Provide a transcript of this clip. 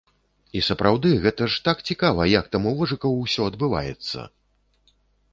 І сапраўды, гэта ж так цікава, як там у вожыкаў усё адбываецца!